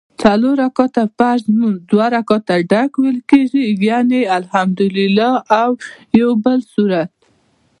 څلور رکعته فرض لمونځ دوه ډک ویل کېږي ډک یعني الحمدوالله او یوبل سورت